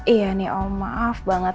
iya nih oh maaf banget